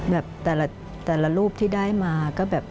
แบบแต่ละรูปที่ได้มาก็แบบ